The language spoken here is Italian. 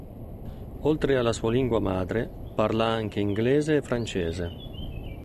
Oltre alla sua lingua madre, parla anche inglese e francese.